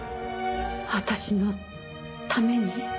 私のために？